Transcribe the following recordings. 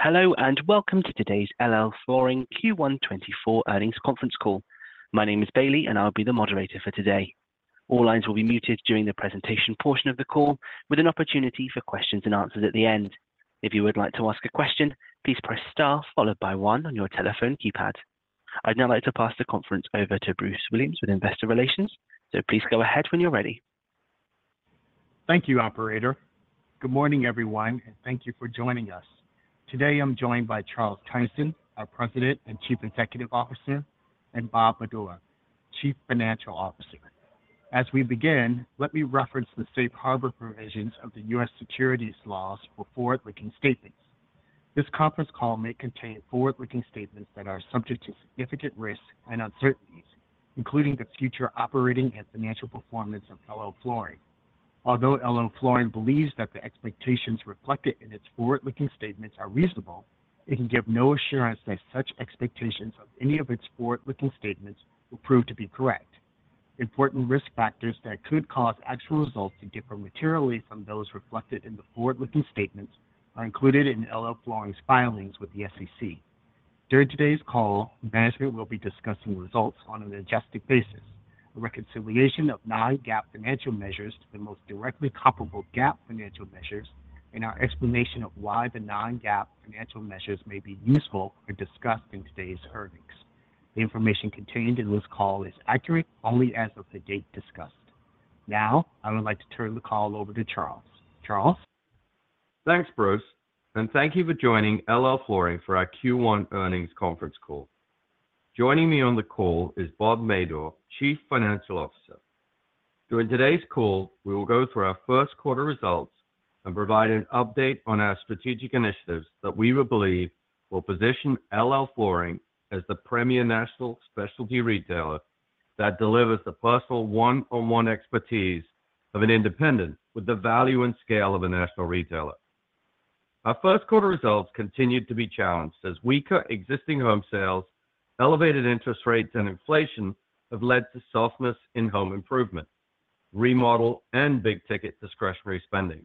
Hello and welcome to today's LL Flooring Q1 2024 earnings conference call. My name is Bailey and I'll be the moderator for today. All lines will be muted during the presentation portion of the call, with an opportunity for questions and answers at the end. If you would like to ask a question, please press STAR followed by 1 on your telephone keypad. I'd now like to pass the conference over to Bruce Williams with Investor Relations, so please go ahead when you're ready. Thank you, Operator. Good morning, everyone, and thank you for joining us. Today I'm joined by Charles Tyson, our President and Chief Executive Officer, and Bob Madore, Chief Financial Officer. As we begin, let me reference the safe harbor provisions of the U.S. securities laws for forward-looking statements. This conference call may contain forward-looking statements that are subject to significant risk and uncertainties, including the future operating and financial performance of LL Flooring. Although LL Flooring believes that the expectations reflected in its forward-looking statements are reasonable, it can give no assurance that such expectations of any of its forward-looking statements will prove to be correct. Important risk factors that could cause actual results to differ materially from those reflected in the forward-looking statements are included in LL Flooring's filings with the SEC. During today's call, management will be discussing results on a non-GAAP basis, a reconciliation of non-GAAP financial measures to the most directly comparable GAAP financial measures, and our explanation of why the non-GAAP financial measures may be useful are discussed in today's earnings. The information contained in this call is accurate only as of the date discussed. Now I would like to turn the call over to Charles. Charles? Thanks, Bruce, and thank you for joining LL Flooring for our Q1 earnings conference call. Joining me on the call is Bob Madore, Chief Financial Officer. During today's call, we will go through our first quarter results and provide an update on our strategic initiatives that we will believe will position LL Flooring as the premier national specialty retailer that delivers the personal one-on-one expertise of an independent with the value and scale of a national retailer. Our first quarter results continued to be challenged as weaker existing home sales, elevated interest rates, and inflation have led to softness in home improvement, remodel, and big-ticket discretionary spending.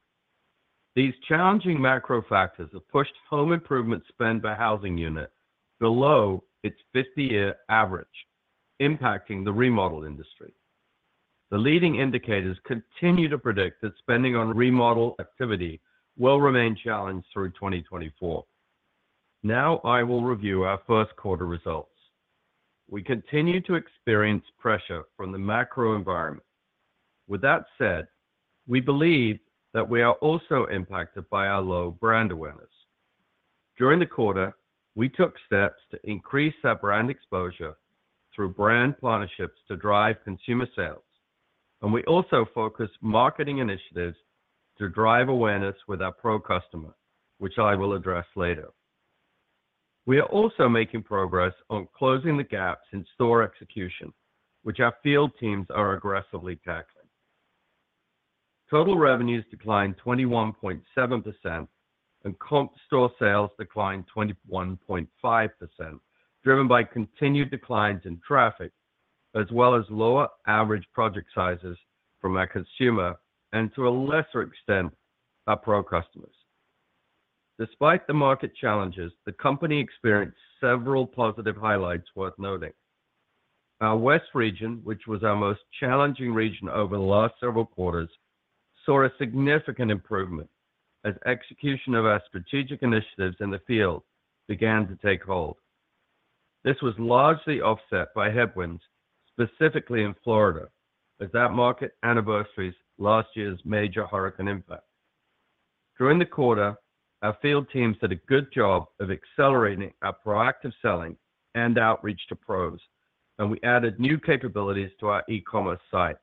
These challenging macro factors have pushed home improvement spend per housing unit below its 50-year average, impacting the remodel industry. The leading indicators continue to predict that spending on remodel activity will remain challenged through 2024. Now I will review our first quarter results. We continue to experience pressure from the macro environment. With that said, we believe that we are also impacted by our low brand awareness. During the quarter, we took steps to increase our brand exposure through brand partnerships to drive consumer sales, and we also focused marketing initiatives to drive awareness with our pro customer, which I will address later. We are also making progress on closing the gaps in store execution, which our field teams are aggressively tackling. Total revenues declined 21.7%, and comp store sales declined 21.5%, driven by continued declines in traffic as well as lower average project sizes from our consumer and, to a lesser extent, our pro customers. Despite the market challenges, the company experienced several positive highlights worth noting. Our West Region, which was our most challenging region over the last several quarters, saw a significant improvement as execution of our strategic initiatives in the field began to take hold. This was largely offset by headwinds, specifically in Florida, as that market anniversaries last year's major hurricane impact. During the quarter, our field teams did a good job of accelerating our proactive selling and outreach to pros, and we added new capabilities to our e-commerce site.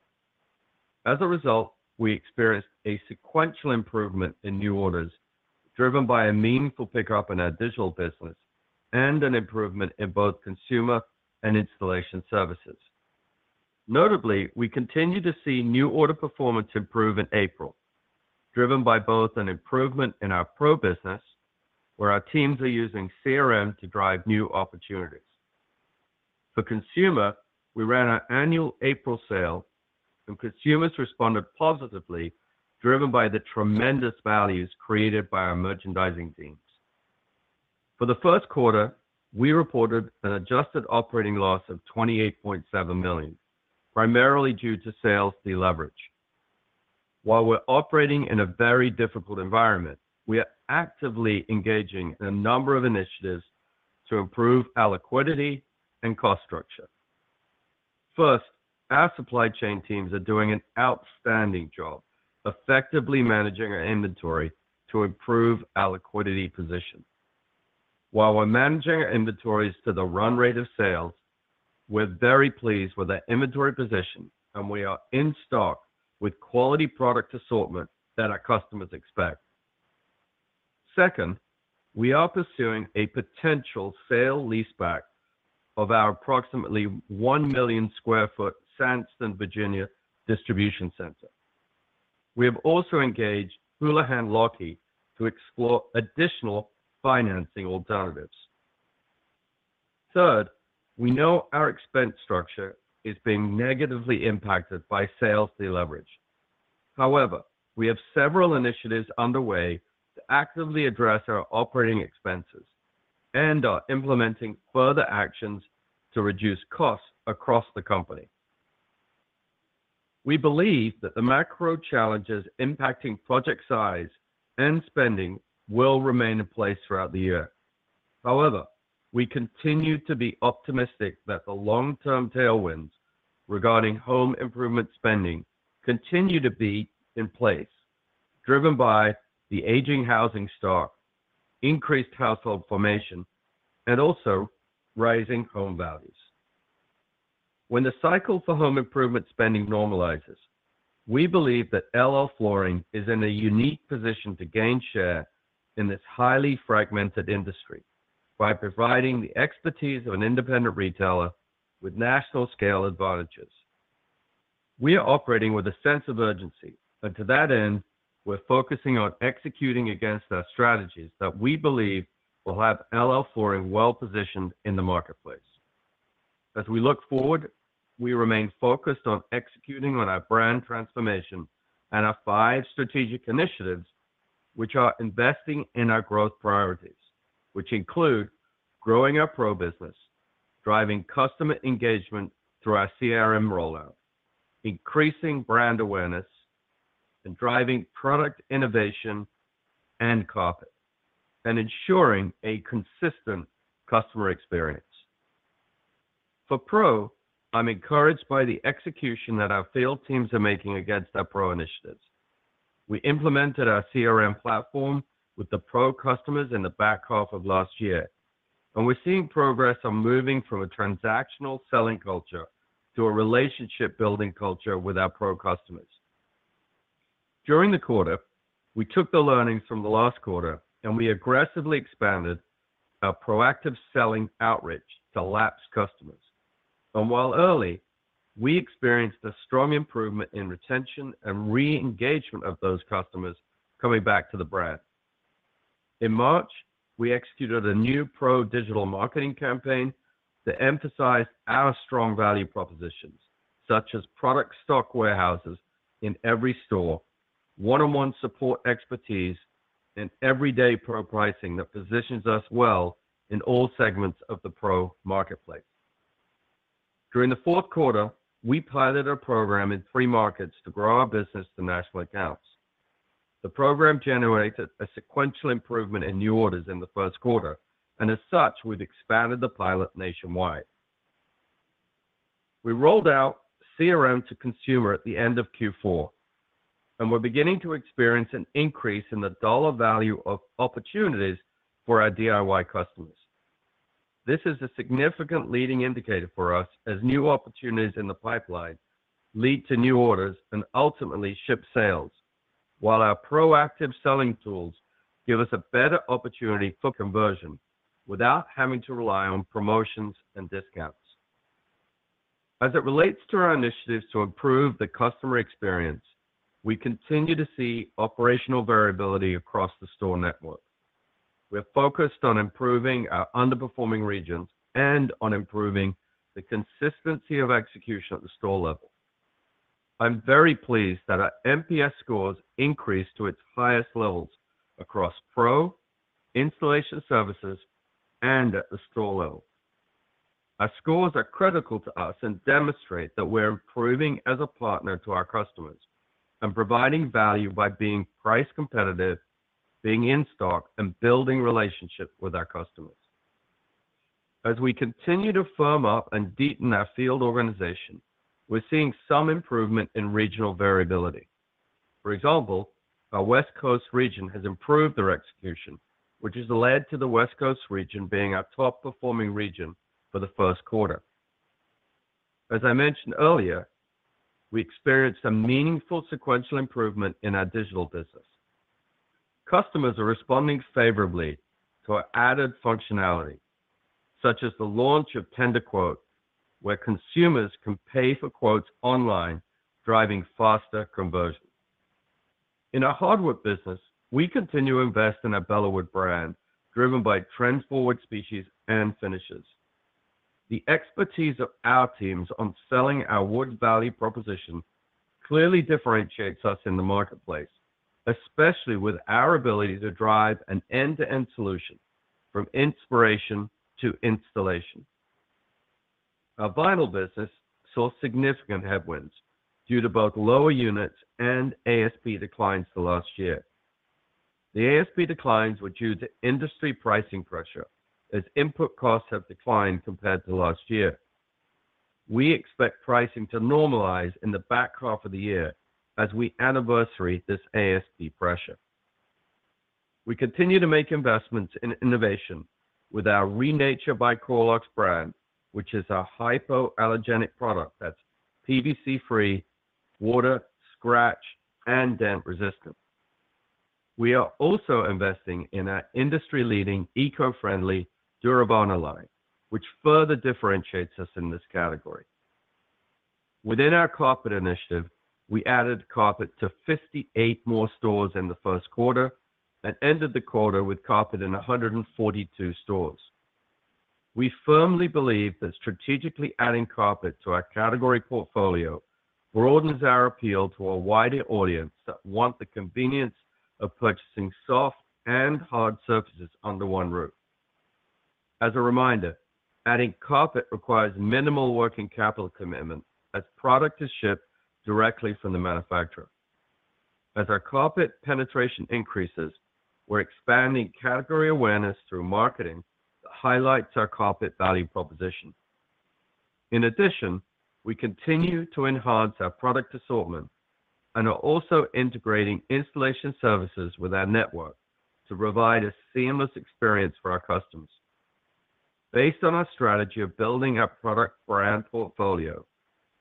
As a result, we experienced a sequential improvement in new orders, driven by a meaningful pickup in our digital business and an improvement in both consumer and installation services. Notably, we continue to see new order performance improve in April, driven by both an improvement in our pro business, where our teams are using CRM to drive new opportunities. For consumer, we ran our annual April sale, and consumers responded positively, driven by the tremendous values created by our merchandising teams. For the first quarter, we reported an adjusted operating loss of $28.7 million, primarily due to sales deleverage. While we're operating in a very difficult environment, we are actively engaging in a number of initiatives to improve our liquidity and cost structure. First, our supply chain teams are doing an outstanding job effectively managing our inventory to improve our liquidity position. While we're managing our inventories to the run rate of sales, we're very pleased with our inventory position, and we are in stock with quality product assortment that our customers expect. Second, we are pursuing a potential sale-leaseback of our approximately 1 million sq ft Sandston, Virginia, distribution center. We have also engaged Houlihan Lokey to explore additional financing alternatives. Third, we know our expense structure is being negatively impacted by sales deleverage. However, we have several initiatives underway to actively address our operating expenses and are implementing further actions to reduce costs across the company. We believe that the macro challenges impacting project size and spending will remain in place throughout the year. However, we continue to be optimistic that the long-term tailwinds regarding home improvement spending continue to be in place, driven by the aging housing stock, increased household formation, and also rising home values. When the cycle for home improvement spending normalizes, we believe that LL Flooring is in a unique position to gain share in this highly fragmented industry by providing the expertise of an independent retailer with national-scale advantages. We are operating with a sense of urgency, and to that end, we're focusing on executing against our strategies that we believe will have LL Flooring well positioned in the marketplace. As we look forward, we remain focused on executing on our brand transformation and our five strategic initiatives, which are investing in our growth priorities, which include growing our pro business, driving customer engagement through our CRM rollout, increasing brand awareness, and driving product innovation and profit, and ensuring a consistent customer experience. For pro, I'm encouraged by the execution that our field teams are making against our pro initiatives. We implemented our CRM platform with the pro customers in the back half of last year, and we're seeing progress on moving from a transactional selling culture to a relationship-building culture with our pro customers. During the quarter, we took the learnings from the last quarter, and we aggressively expanded our proactive selling outreach to lapsed customers. While early, we experienced a strong improvement in retention and re-engagement of those customers coming back to the brand. In March, we executed a new pro digital marketing campaign to emphasize our strong value propositions, such as product stock warehouses in every store, one-on-one support expertise, and everyday pro pricing that positions us well in all segments of the pro marketplace. During the fourth quarter, we piloted our program in three markets to grow our business to national accounts. The program generated a sequential improvement in new orders in the first quarter, and as such, we've expanded the pilot nationwide. We rolled out CRM to consumer at the end of Q4, and we're beginning to experience an increase in the dollar value of opportunities for our DIY customers. This is a significant leading indicator for us as new opportunities in the pipeline lead to new orders and ultimately ship sales, while our proactive selling tools give us a better opportunity for conversion without having to rely on promotions and discounts. As it relates to our initiatives to improve the customer experience, we continue to see operational variability across the store network. We're focused on improving our underperforming regions and on improving the consistency of execution at the store level. I'm very pleased that our NPS scores increased to its highest levels across pro, installation services, and at the store level. Our scores are critical to us and demonstrate that we're improving as a partner to our customers and providing value by being price competitive, being in stock, and building relationships with our customers. As we continue to firm up and deepen our field organization, we're seeing some improvement in regional variability. For example, our West Coast region has improved their execution, which has led to the West Coast region being our top-performing region for the first quarter. As I mentioned earlier, we experienced a meaningful sequential improvement in our digital business. Customers are responding favorably to our added functionality, such as the launch of TenderQuote, where consumers can pay for quotes online, driving faster conversions. In our hardwood business, we continue to invest in our Bellawood brand, driven by trend-forward species and finishes. The expertise of our teams on selling our wood value proposition clearly differentiates us in the marketplace, especially with our ability to drive an end-to-end solution from inspiration to installation. Our vinyl business saw significant headwinds due to both lower units and ASP declines the last year. The ASP declines were due to industry pricing pressure, as input costs have declined compared to last year. We expect pricing to normalize in the back half of the year as we anniversary this ASP pressure. We continue to make investments in innovation with our ReNature by CoreLuxe brand, which is a hypoallergenic product that's PVC-free, water, scratch, and dent resistant. We are also investing in our industry-leading eco-friendly Duravana line, which further differentiates us in this category. Within our carpet initiative, we added carpet to 58 more stores in the first quarter and ended the quarter with carpet in 142 stores. We firmly believe that strategically adding carpet to our category portfolio broadens our appeal to a wider audience that wants the convenience of purchasing soft and hard surfaces under one roof. As a reminder, adding carpet requires minimal working capital commitment as product is shipped directly from the manufacturer. As our carpet penetration increases, we're expanding category awareness through marketing that highlights our carpet value proposition. In addition, we continue to enhance our product assortment and are also integrating installation services with our network to provide a seamless experience for our customers. Based on our strategy of building our product brand portfolio,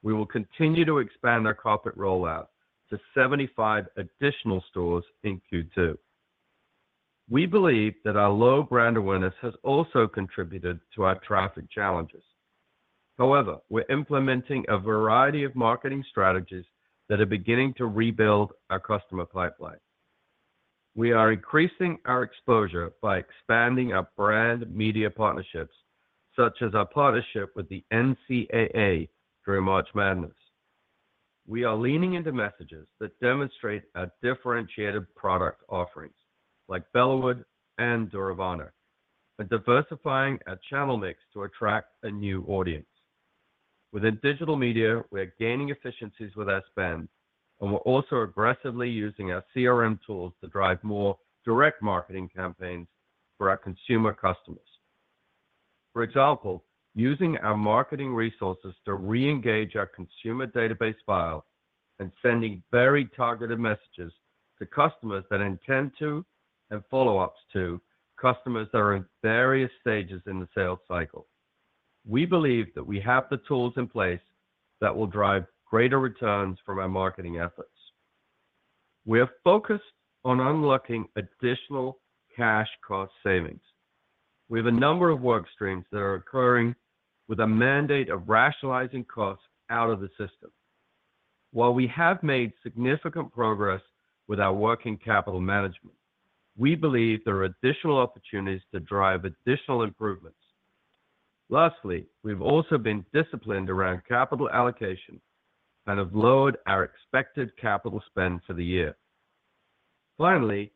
we will continue to expand our carpet rollout to 75 additional stores in Q2. We believe that our low brand awareness has also contributed to our traffic challenges. However, we're implementing a variety of marketing strategies that are beginning to rebuild our customer pipeline. We are increasing our exposure by expanding our brand media partnerships, such as our partnership with the NCAA through March Madness. We are leaning into messages that demonstrate our differentiated product offerings, like Bellawood and Duravana, and diversifying our channel mix to attract a new audience. Within digital media, we are gaining efficiencies with our spend, and we're also aggressively using our CRM tools to drive more direct marketing campaigns for our consumer customers. For example, using our marketing resources to re-engage our consumer database file and sending very targeted messages to customers that intend to and follow-ups to customers that are in various stages in the sales cycle. We believe that we have the tools in place that will drive greater returns from our marketing efforts. We are focused on unlocking additional cash cost savings. We have a number of work streams that are occurring with a mandate of rationalizing costs out of the system. While we have made significant progress with our working capital management, we believe there are additional opportunities to drive additional improvements. Lastly, we've also been disciplined around capital allocation and have lowered our expected capital spend for the year. Finally,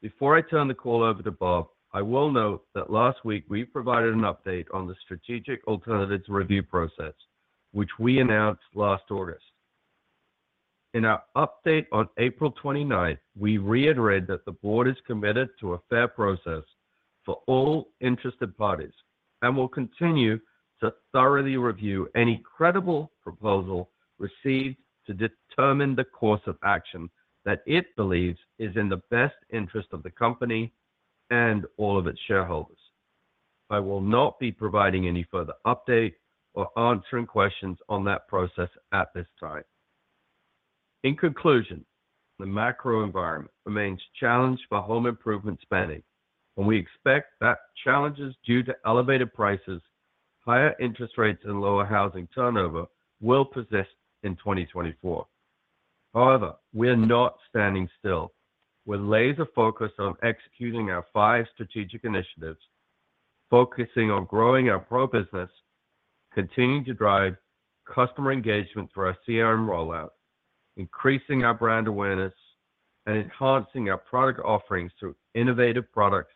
before I turn the call over to Bob, I will note that last week we provided an update on the Strategic Alternatives Review process, which we announced last August. In our update on April 29, we reiterated that the board is committed to a fair process for all interested parties and will continue to thoroughly review any credible proposal received to determine the course of action that it believes is in the best interest of the company and all of its shareholders. I will not be providing any further update or answering questions on that process at this time. In conclusion, the macro environment remains challenged for home improvement spending, and we expect that challenges due to elevated prices, higher interest rates, and lower housing turnover will persist in 2024. However, we are not standing still. We're laser-focused on executing our five strategic initiatives, focusing on growing our pro business, continuing to drive customer engagement through our CRM rollout, increasing our brand awareness, and enhancing our product offerings through innovative products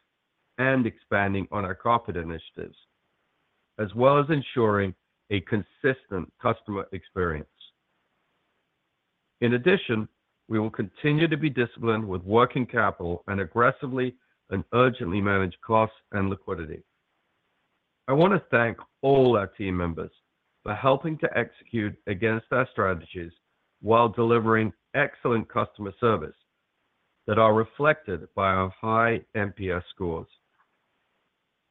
and expanding on our carpet initiatives, as well as ensuring a consistent customer experience. In addition, we will continue to be disciplined with working capital and aggressively and urgently manage costs and liquidity. I want to thank all our team members for helping to execute against our strategies while delivering excellent customer service that are reflected by our high NPS scores.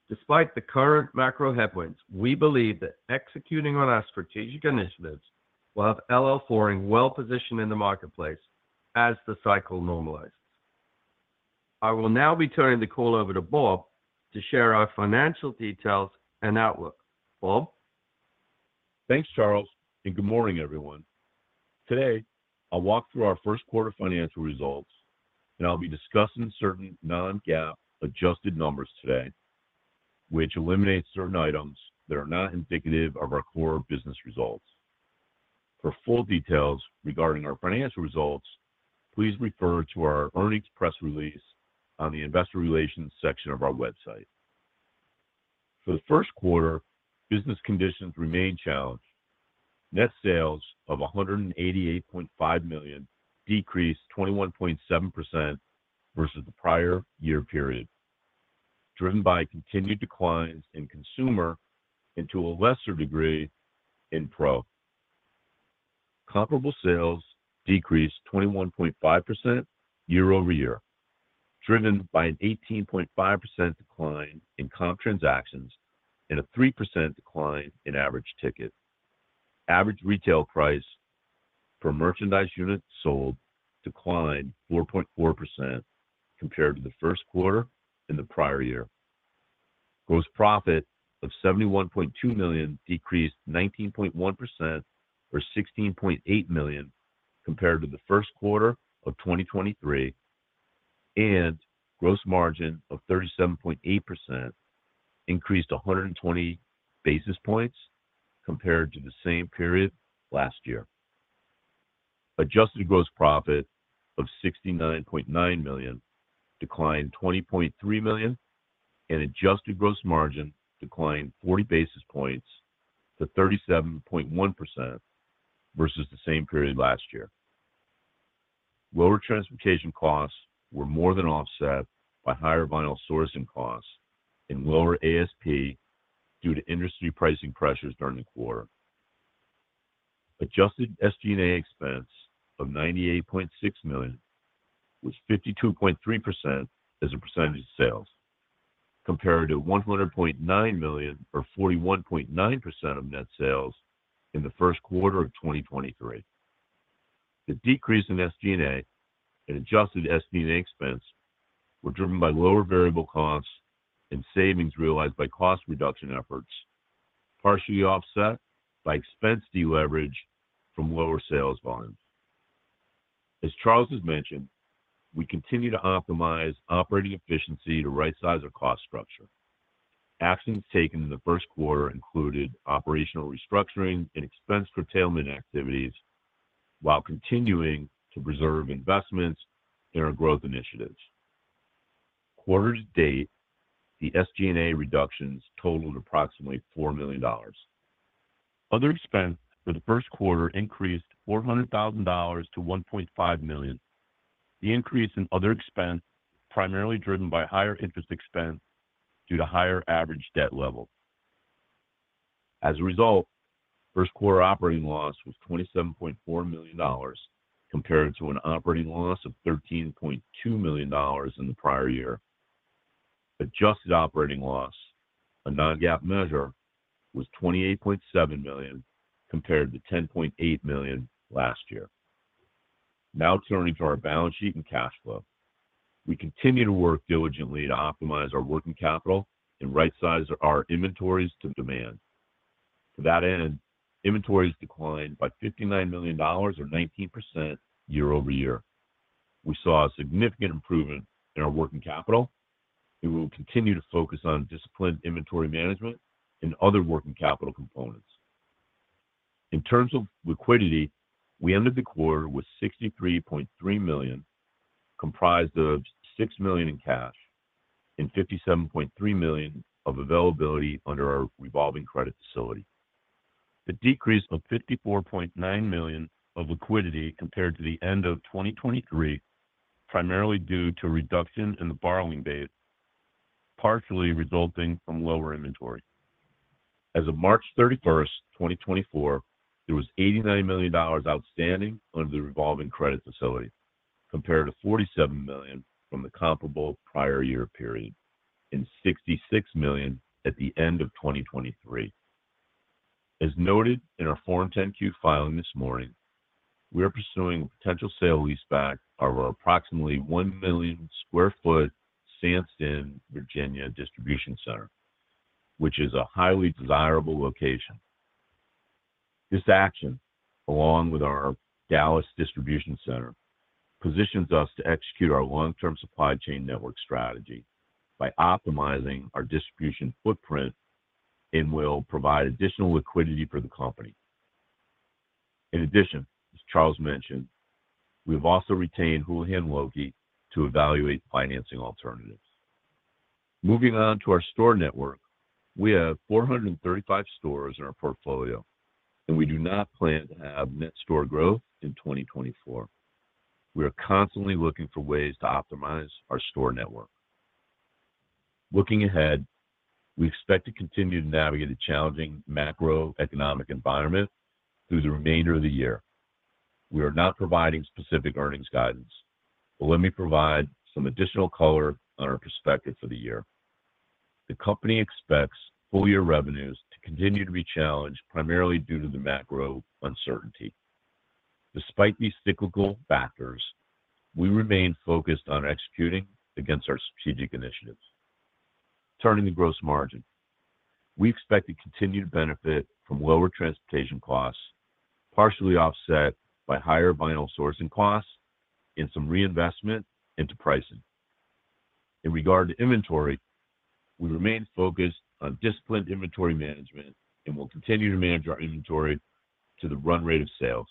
Despite the current macro headwinds, we believe that executing on our strategic initiatives will have LL Flooring well positioned in the marketplace as the cycle normalizes. I will now be turning the call over to Bob to share our financial details and outlook. Bob? Thanks, Charles, and good morning, everyone. Today, I'll walk through our first quarter financial results, and I'll be discussing certain non-GAAP adjusted numbers today, which eliminate certain items that are not indicative of our core business results. For full details regarding our financial results, please refer to our earnings press release on the Investor Relations section of our website. For the first quarter, business conditions remain challenged. Net sales of $188.5 million decreased 21.7% versus the prior year period, driven by continued declines in consumer and, to a lesser degree, in pro. Comparable sales decreased 21.5% year-over-year, driven by an 18.5% decline in comp transactions and a 3% decline in average ticket. Average retail price per merchandise unit sold declined 4.4% compared to the first quarter in the prior year. Gross profit of $71.2 million decreased 19.1% or $16.8 million compared to the first quarter of 2023, and gross margin of 37.8% increased 120 basis points compared to the same period last year. Adjusted gross profit of $69.9 million declined $20.3 million, and adjusted gross margin declined 40 basis points to 37.1% versus the same period last year. Lower transportation costs were more than offset by higher vinyl sourcing costs and lower ASP due to industry pricing pressures during the quarter. Adjusted SG&A expense of $98.6 million was 52.3% as a percentage of sales, compared to $100.9 million or 41.9% of net sales in the first quarter of 2023. The decrease in SG&A and adjusted SG&A expense were driven by lower variable costs and savings realized by cost reduction efforts, partially offset by expense deleverage from lower sales volumes. As Charles has mentioned, we continue to optimize operating efficiency to right-size our cost structure. Actions taken in the first quarter included operational restructuring and expense curtailment activities while continuing to preserve investments in our growth initiatives. Quarter to date, the SG&A reductions totaled approximately $4 million. Other expense for the first quarter increased $400,000 to $1.5 million, the increase in other expense primarily driven by higher interest expense due to higher average debt level. As a result, first quarter operating loss was $27.4 million compared to an operating loss of $13.2 million in the prior year. Adjusted operating loss, a non-GAAP measure, was $28.7 million compared to $10.8 million last year. Now turning to our balance sheet and cash flow, we continue to work diligently to optimize our working capital and right-size our inventories to demand. To that end, inventories declined by $59 million or 19% year-over-year. We saw a significant improvement in our working capital, and we will continue to focus on disciplined inventory management and other working capital components. In terms of liquidity, we ended the quarter with $63.3 million comprised of $6 million in cash and $57.3 million of availability under our revolving credit facility. The decrease of $54.9 million of liquidity compared to the end of 2023, primarily due to reduction in the borrowing base, partially resulting from lower inventory. As of March 31, 2024, there was $89 million outstanding under the revolving credit facility compared to $47 million from the comparable prior year period and $66 million at the end of 2023. As noted in our Form 10-Q filing this morning, we are pursuing a potential sale-leaseback of our approximately 1 million sq ft Sandston, Virginia Distribution Center, which is a highly desirable location. This action, along with our Dallas Distribution Center, positions us to execute our long-term supply chain network strategy by optimizing our distribution footprint and will provide additional liquidity for the company. In addition, as Charles mentioned, we have also retained Houlihan Lokey to evaluate financing alternatives. Moving on to our store network, we have 435 stores in our portfolio, and we do not plan to have net store growth in 2024. We are constantly looking for ways to optimize our store network. Looking ahead, we expect to continue to navigate a challenging macroeconomic environment through the remainder of the year. We are not providing specific earnings guidance, but let me provide some additional color on our perspective for the year. The company expects full-year revenues to continue to be challenged primarily due to the macro uncertainty. Despite these cyclical factors, we remain focused on executing against our strategic initiatives. Turning to gross margin, we expect to continue to benefit from lower transportation costs, partially offset by higher vinyl sourcing costs and some reinvestment into pricing. In regard to inventory, we remain focused on disciplined inventory management and will continue to manage our inventory to the run rate of sales.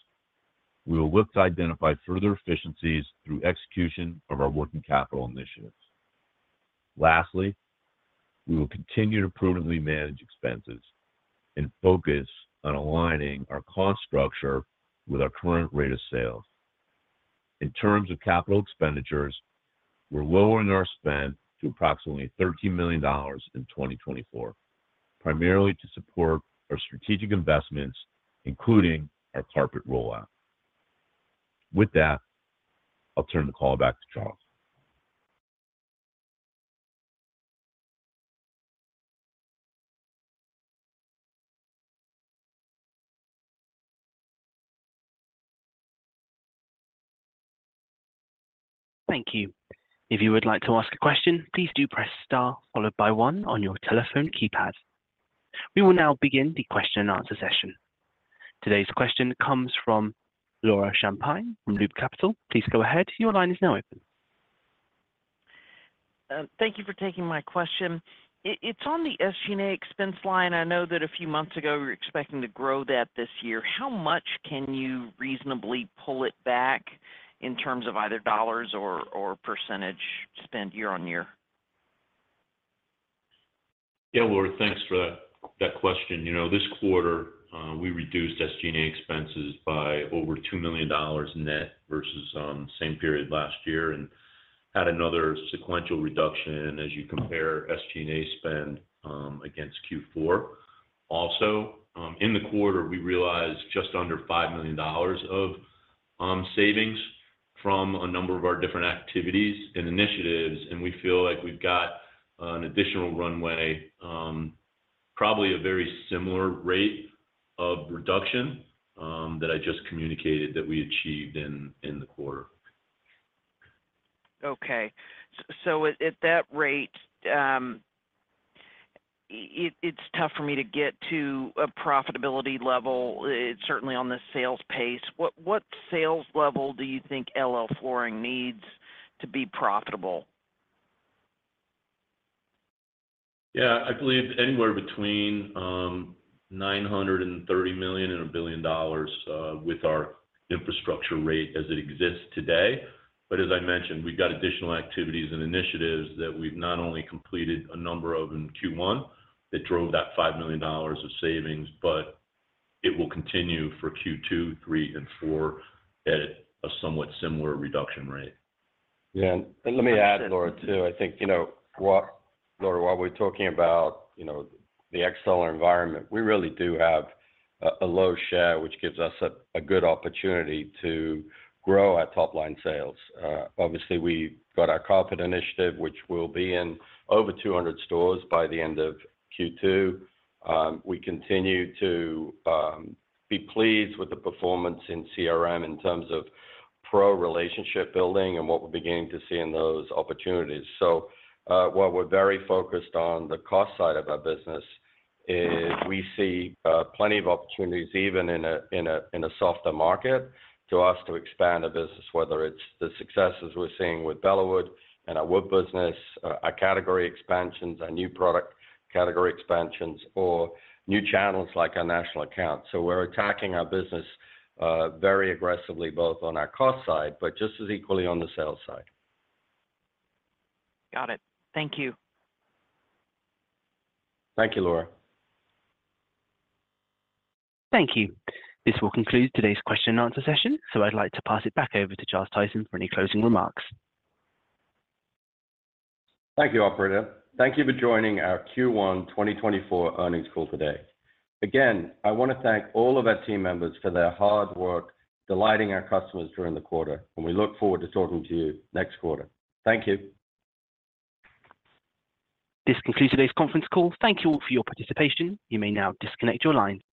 We will look to identify further efficiencies through execution of our working capital initiatives. Lastly, we will continue to prudently manage expenses and focus on aligning our cost structure with our current rate of sales. In terms of capital expenditures, we're lowering our spend to approximately $13 million in 2024, primarily to support our strategic investments, including our carpet rollout. With that, I'll turn the call back to Charles. Thank you. If you would like to ask a question, please do press * followed by 1 on your telephone keypad. We will now begin the question and answer session. Today's question comes from Laura Champine from Loop Capital. Please go ahead. Your line is now open. Thank you for taking my question. It's on the SG&A expense line. I know that a few months ago you were expecting to grow that this year. How much can you reasonably pull it back in terms of either dollars or percentage spend year-over-year? Yeah, Laura, thanks for that question. This quarter, we reduced SG&A expenses by over $2 million net versus the same period last year and had another sequential reduction as you compare SG&A spend against Q4. Also, in the quarter, we realized just under $5 million of savings from a number of our different activities and initiatives, and we feel like we've got an additional runway, probably a very similar rate of reduction that I just communicated that we achieved in the quarter. Okay. So at that rate, it's tough for me to get to a profitability level, certainly on the sales pace. What sales level do you think LL Flooring needs to be profitable? Yeah, I believe anywhere between $930 million and $1 billion with our infrastructure rate as it exists today. But as I mentioned, we've got additional activities and initiatives that we've not only completed a number of in Q1 that drove that $5 million of savings, but it will continue for Q2, Q3, and Q4 at a somewhat similar reduction rate. Yeah. And let me add, Laura, too. I think, Laura, while we're talking about the external environment, we really do have a low share, which gives us a good opportunity to grow our top-line sales. Obviously, we've got our carpet initiative, which will be in over 200 stores by the end of Q2. We continue to be pleased with the performance in CRM in terms of pro relationship building and what we're beginning to see in those opportunities. So while we're very focused on the cost side of our business, we see plenty of opportunities even in a softer market to us to expand our business, whether it's the successes we're seeing with Bellawood and our wood business, our category expansions, our new product category expansions, or new channels like our national account. We're attacking our business very aggressively both on our cost side, but just as equally on the sales side. Got it. Thank you. Thank you, Laura. Thank you. This will conclude today's question and answer session, so I'd like to pass it back over to Charles Tyson for any closing remarks. Thank you, operator. Thank you for joining our Q1 2024 earnings call today. Again, I want to thank all of our team members for their hard work delighting our customers during the quarter, and we look forward to talking to you next quarter. Thank you. This concludes today's conference call. Thank you all for your participation. You may now disconnect your line.